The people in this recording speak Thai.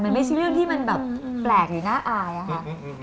มันไม่ใช่เรื่องที่มันแบบแปลกหรือน่าอายอะค่ะ